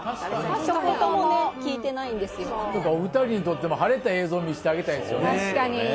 確かに２人にとっても晴れた映像見せてあげたいですよね